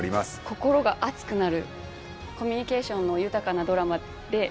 心が熱くなるコミュニケーションの豊かなドラマであります。